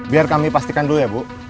biar kami pastikan dulu ya bu